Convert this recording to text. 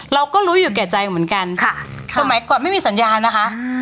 เราก็รู้อยู่แก่ใจเหมือนกันค่ะสมัยก่อนไม่มีสัญญานะคะ